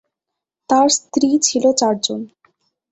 তার স্ত্রী ছিল চারজন।